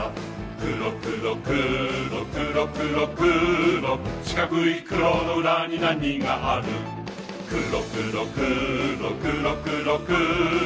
くろくろくろくろくろくろしかくいくろのうらになにがあるくろくろくろくろくろくろ